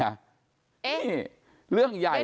นี่เรื่องใหญ่